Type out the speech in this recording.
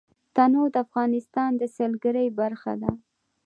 تنوع د افغانستان د سیلګرۍ برخه ده.